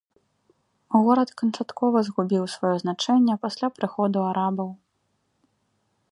Горад канчаткова згубіў сваё значэнне пасля прыходу арабаў.